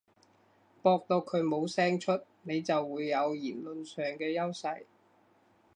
駁到佢冇聲出，你就會有言論上嘅優勢